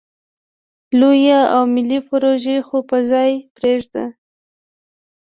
لویې او ملې پروژې خو په ځای پرېږده.